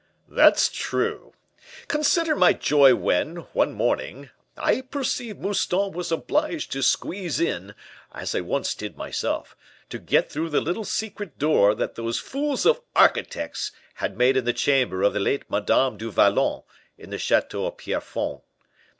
"That's true. Consider my joy when, one morning, I perceived Mouston was obliged to squeeze in, as I once did myself, to get through the little secret door that those fools of architects had made in the chamber of the late Madame du Vallon, in the chateau of Pierrefonds.